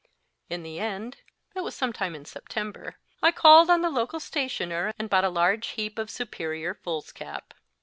In the end it was some time in September I called on the local stationer and bought a large heap of superior foolscap.